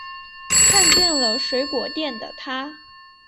看见了水果店的她